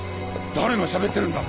誰がしゃべってるんだ